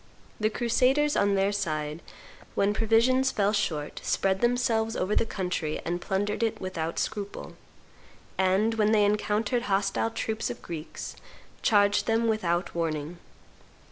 The crusaders, on their side, when provisions fell short, spread themselves over the country and plundered it without scruple; and, when they encountered hostile troops of Greeks, charged them without warning.